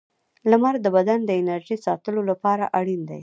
• لمر د بدن د انرژۍ ساتلو لپاره اړین دی.